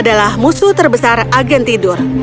adalah musuh terbesar agen tidur